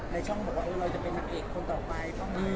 ในช่องมาออกว่าเราจะเป็นนักเอกคนต่อไป